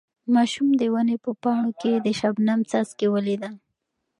ماشوم د ونې په پاڼو کې د شبنم څاڅکي ولیدل.